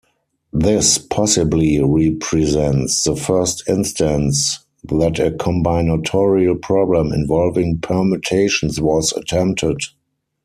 This possibly represents the first instance that a combinatorial problem involving permutations was attempted.